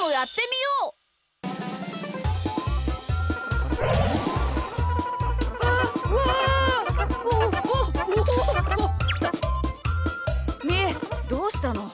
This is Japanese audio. みーどうしたの？